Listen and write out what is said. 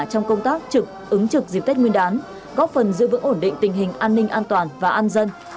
trong công tác trực ứng trực dịp tết nguyên đán góp phần giữ vững ổn định tình hình an ninh an toàn và an dân